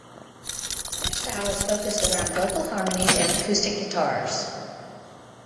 Their style is focused around vocal harmonies and acoustic guitars.